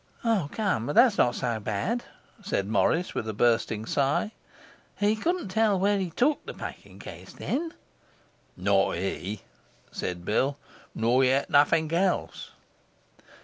'O, come, but that's not so bad,' said Morris, with a bursting sigh. 'He couldn't tell where he took the packing case, then?' 'Not he,' said Bill, 'nor yet nothink else.